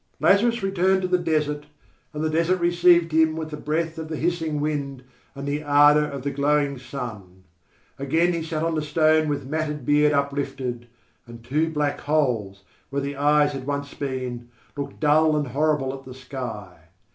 Lazarus returned to the desert and the desert received him with the breath of the hissing wind and the ardour of the glowing sun. Again he sat on the stone with matted beard uplifted; and two black holes, where the eyes had once been, looked dull and horrible at the sky.